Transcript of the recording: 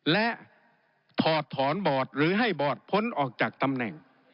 และถอดถอนบอร์ดหรือให้บอร์ดพ้นออกจากตำแหน่ง